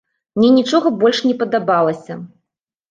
Мне нічога больш не падабалася.